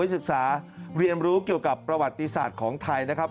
ศึกษาเรียนรู้เกี่ยวกับประวัติศาสตร์ของไทยนะครับ